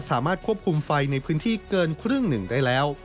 สามารถควบคุมไฟในพื้นที่เกินครึ่งหนึ่งได้แล้ว